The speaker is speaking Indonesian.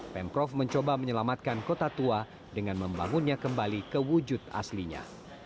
pemprov mencoba menyelamatkan kota tua dengan membangunnya kembali ke wujud aslinya